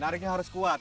nariknya harus kuat